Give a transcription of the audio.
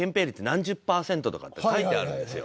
何十パーセントとかって書いてあるんですよ。